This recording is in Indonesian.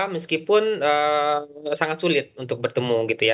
meskipun sangat sulit untuk bertemu gitu ya